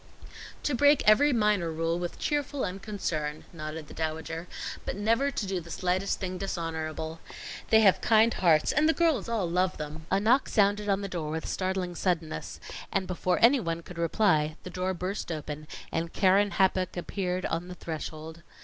"To break every minor rule with cheerful unconcern," nodded the Dowager, "but never to do the slightest thing dishonorable. They have kind hearts and the girls all love them " A knock sounded on the door with startling suddenness, and before anyone could reply, the door burst open and Keren happuch appeared on the threshold.